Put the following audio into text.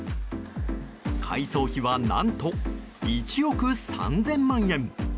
改装費は何と１億３０００万円。